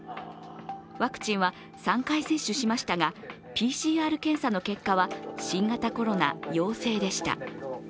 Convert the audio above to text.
ワクチンは３回接種しましたがＰＣＲ検査の結果は新型コロナ陽性でした。